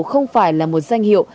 không phải là một danh hiệu